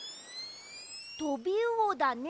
トビウオだね。